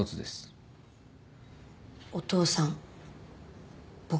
お父さん僕だ？